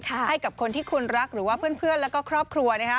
ให้กับคนที่คุณรักหรือว่าเพื่อนแล้วก็ครอบครัว